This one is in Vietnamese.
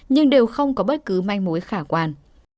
nhưng đều không có bất cứ may mối khả quan